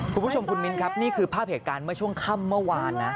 คุณผู้ชมคุณมิ้นครับนี่คือภาพเหตุการณ์เมื่อช่วงค่ำเมื่อวานนะ